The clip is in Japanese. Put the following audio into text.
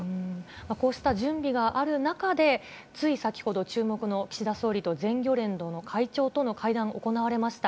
こうした準備がある中で、つい先ほど、注目の岸田総理と全漁連の会長との会談、行われました。